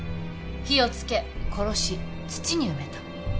火を付け殺し土に埋めた。